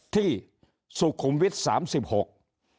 ที่สุขุมวิทย์๓๖